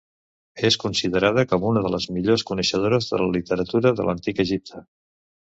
És considerada com una de les millors coneixedores de la literatura de l'Antic Egipte.